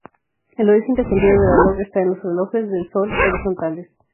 El origen del sentido del reloj está en los relojes de sol horizontales.